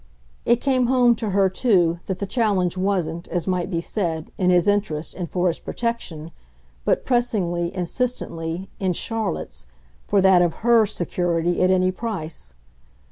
It came home to her too that the challenge wasn't, as might be said, in his interest and for his protection, but, pressingly, insistently, in Charlotte's, for that of HER security at any price.